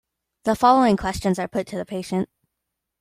The following questions are put to the patient.